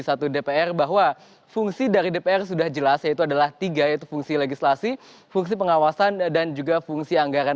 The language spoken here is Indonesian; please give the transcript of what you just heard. satu dpr bahwa fungsi dari dpr sudah jelas yaitu adalah tiga yaitu fungsi legislasi fungsi pengawasan dan juga fungsi anggaran